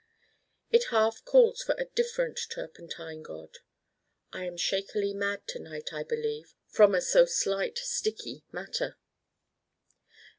It half calls for a different Turpentine God. I am shakily mad tonight, I believe, from a so slight sticky matter.